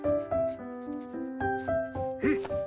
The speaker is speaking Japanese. うん！